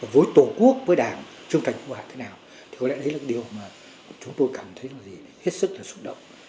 với tổ quốc với đảng chương trình công an thế nào thì có lẽ đấy là điều mà chúng tôi cảm thấy là hết sức là xúc động